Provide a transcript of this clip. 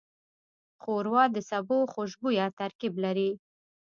ښوروا د سبو خوشبویه ترکیب لري.